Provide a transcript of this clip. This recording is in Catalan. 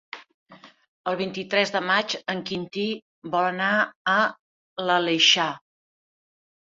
El vint-i-tres de maig en Quintí vol anar a l'Aleixar.